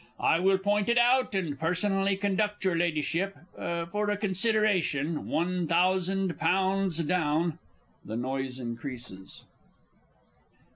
I will point it out, and personally conduct your Ladyship for a consideration one thousand pounds down. [_The noise increases.